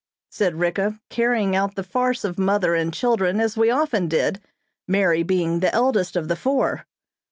said Ricka, carrying out the farce of mother and children as we often did, Mary being the eldest of the four.